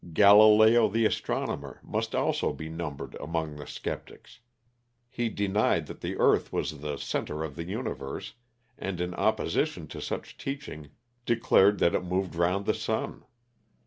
Galileo the astronomer must also be numbered among the sceptics. He denied that the earth was the centre of the universe, and in opposition to such teaching declared that it moved round the sun.